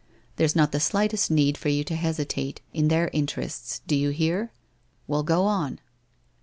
There's not the slightest need for you to hesitate, in their interests, do you hear? Well, go on